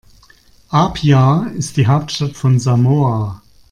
Apia ist die Hauptstadt von Samoa.